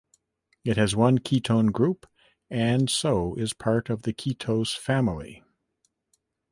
It has one ketone group and so is part of the ketose family.